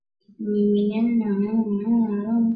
Mimina na uchemshe mafuta kwenye kikaango au sufuria